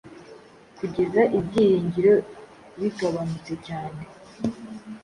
kugeza ibyiringiro bigabanutse cyane